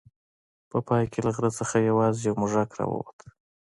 په پای کې له غره څخه یوازې یو موږک راووت.